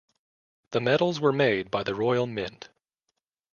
The medals were made by the Royal Mint.